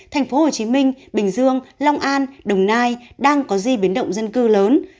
thành phố hồ chí minh bình dương long an đồng nai đang có di biến động dân cư lớn